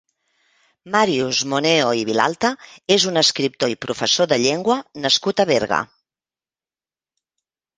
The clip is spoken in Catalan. Màrius Moneo i Vilalta és un escriptor i professor de llengua nascut a Berga.